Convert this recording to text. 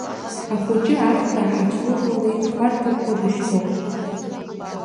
Ахәыҷы ахьҭа ҳацәлылалеит, дхәарҭамкәа дышьҭоуп.